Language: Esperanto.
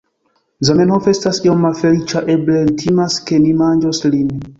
Zamenhof estas iom malfeliĉa eble li timas, ke ni manĝos lin